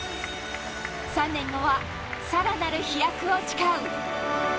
３年後はさらなる飛躍を誓う。